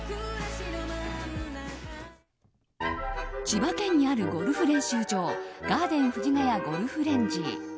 千葉県にあるゴルフ練習場ガーデン藤ヶ谷ゴルフレンジ。